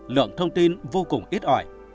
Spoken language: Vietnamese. lượng thông tin vô cùng ít ỏi